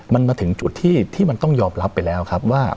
มันมาถึงจุดที่มันต้องยอมรับไปแล้วครับว่า